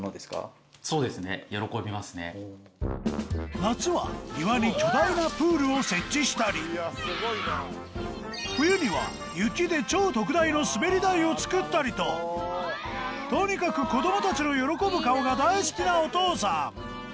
夏は庭に巨大なプールを設置したり冬には雪で超特大の滑り台を作ったりととにかく子どもたちの喜ぶ顔が大好きなお父さん！